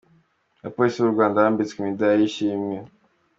Abapolisi b’u Rwarwa bambitswe imidari y’ishimwe